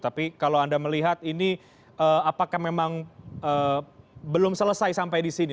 tapi kalau anda melihat ini apakah memang belum selesai sampai di sini